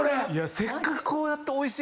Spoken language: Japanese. せっかくこうやって。